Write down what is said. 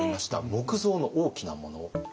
木造の大きなもの。